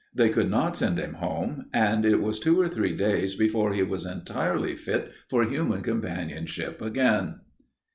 They could not send him home, and it was two or three days before he was entirely fit for human companionship again.